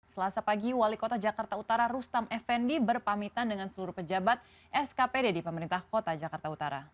selasa pagi wali kota jakarta utara rustam effendi berpamitan dengan seluruh pejabat skpd di pemerintah kota jakarta utara